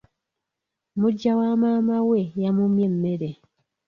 Muggya wa maama we yamummye emmere.